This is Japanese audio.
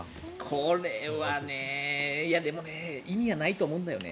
これはね、いやでも意味はないと思うんだよね。